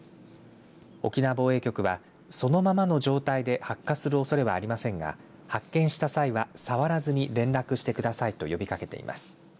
沖縄防衛局はそのままの状態で発火するおそれはありませんが発見した際は触らずに連絡してくださいと呼びかけています。